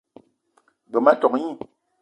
G-beu ma tok gni.